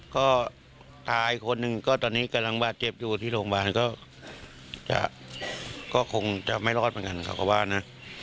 ก็ตายคนหนึ่งก็ตอนนี้กำลังบาดเจ็บอยู่ที่โรงพยาบาลก็จะก็คงจะไม่รอดเหมือนกันเขาก็ว่านะ